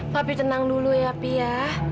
papi tenang dulu ya pi ya